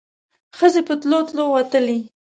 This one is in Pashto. ښځې په تلو تلو وتلې.